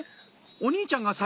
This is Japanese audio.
お兄ちゃんが先？